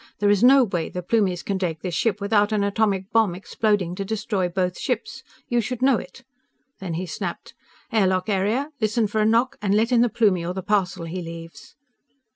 There is no way the Plumies can take this ship without an atomic bomb exploding to destroy both ships. You should know it!_" Then he snapped: "_Air lock area, listen for a knock, and let in the Plumie or the parcel he leaves.